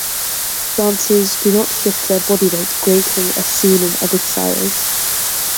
Dancers do not shift their body weight greatly as seen in other styles.